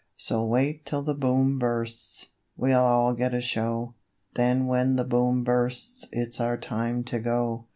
So wait till the Boom bursts! we'll all get a show: Then when the Boom bursts is our time to go.